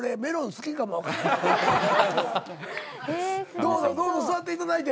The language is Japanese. どうぞ座っていただいて。